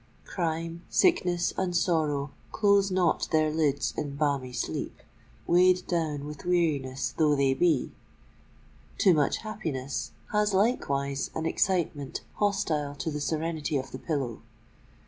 Crime, sickness, and sorrow close not their lids in balmy sleep, weighed down with weariness though they be: too much happiness has likewise an excitement hostile to the serenity of the pillow.